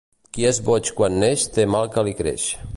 Qui és boig quan neix té mal que li creix.